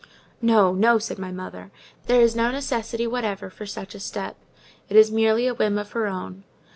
"Oh, no!" said my mother. "There is no necessity whatever for such a step; it is merely a whim of her own.